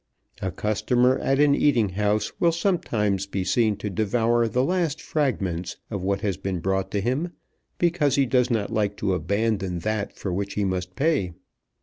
A customer at an eating house will sometimes be seen to devour the last fragments of what has been brought to him, because he does not like to abandon that for which he must pay.